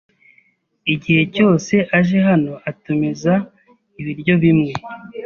Igihe cyose aje hano, atumiza ibiryo bimwe.